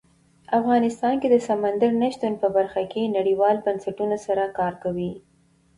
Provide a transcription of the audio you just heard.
افغانستان د سمندر نه شتون په برخه کې نړیوالو بنسټونو سره کار کوي.